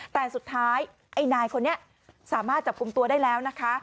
แต่สุดท้ายไอ้นายคนนี้สามารถจับกลุ่มตัวได้แล้วนะคะ